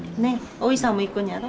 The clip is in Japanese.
大井さんも行くんやろ？